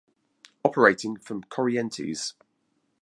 Operating from Corrientes.